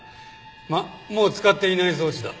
まあもう使っていない装置だ。